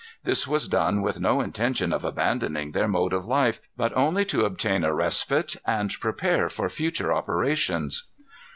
This was done with no intention of abandoning their mode of life, but only to obtain a respite, and prepare for future operations.